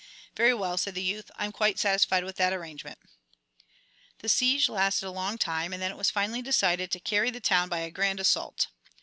"Very well," said the youth, "I'm quite satisfied with that arrangement." The siege lasted a long time, and then it was finally decided to carry the town by a grand assault.